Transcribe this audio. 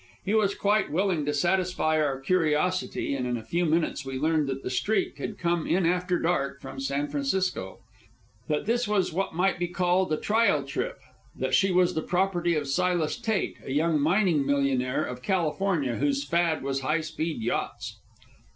He was quite willing to satisfy our curiosity, and in a few minutes we learned that the Streak had come in after dark from San Francisco; that this was what might be called the trial trip; and that she was the property of Silas Tate, a young mining millionaire of California, whose fad was high speed yachts.